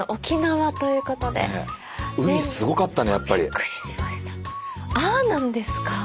びっくりしましたああなんですか？